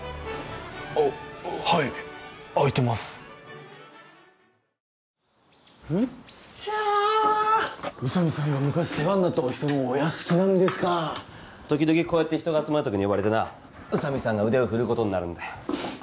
あッはい空いてますうっちゃあ宇佐美さんが昔世話になったお人のお屋敷ですか時々人が集まるときに呼ばれてな宇佐美さんが腕をふるうことになるんだよ